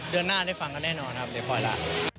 เดือนหน้าได้ฟังกันแน่นอนครับเดี๋ยวพอแล้ว